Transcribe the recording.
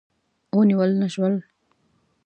ونیول نه شول.